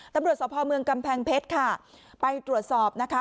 ตำรวจสภเมืองกำแพงเพชรค่ะไปตรวจสอบนะคะ